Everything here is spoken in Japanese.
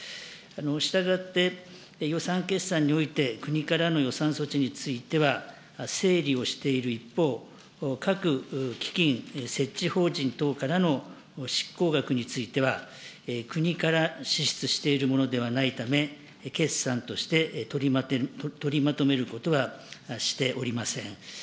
したがって、予算決算において、国からの予算措置については、整理をしている一方、各基金設置法人等からの執行額については、国から支出しているものではないため、決算として取りまとめることはしておりません。